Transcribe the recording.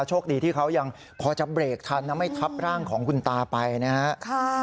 โชคดีที่เขายังพอจะเบรกทันนะไม่ทับร่างของคุณตาไปนะครับ